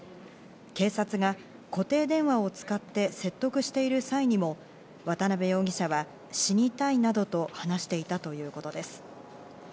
警察が固定電話を使って説得している際にも渡辺容疑者は、死にたいなどと話していたということです。